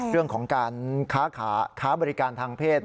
เรื่องของการค้าบริการทางเพศ